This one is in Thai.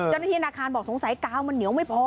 เจ้าหน้าที่ธนาคารบอกสงสัยกาวมันเหนียวไม่พอ